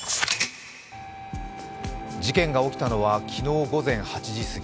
事件が起きたのは昨日午前８時すぎ。